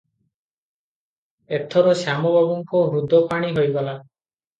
ଏଥର ଶ୍ୟାମ ବାବୁଙ୍କ ହୃଦ ପାଣି ହୋଇଗଲା ।